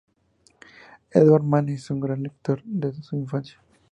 Eduardo Manet es un gran lector desde su infancia.